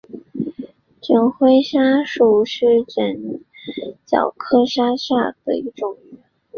卷盔鲨属是角鲨科下的一属鲨鱼。